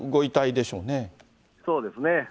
そうですね。